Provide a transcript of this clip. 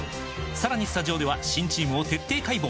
さらにスタジオでは新チームを徹底解剖！